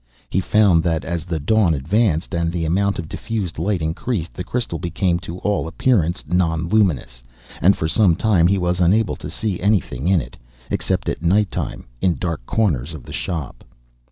He found that as the dawn advanced, and the amount of diffused light increased, the crystal became to all appearance non luminous. And for some time he was unable to see anything in it, except at night time, in dark corners of the shop.